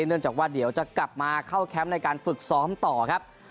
เนื่องจากว่าเดี๋ยวจะกลับมาเข้าแคมป์ในการฝึกซ้อมต่อครับ